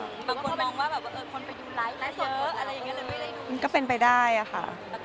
อะไรก็เป็นไปได้นะคะ